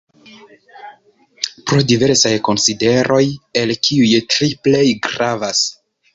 Pro diversaj konsideroj, el kiuj tri plej gravas.